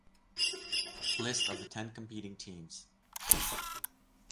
List of the ten competing teams.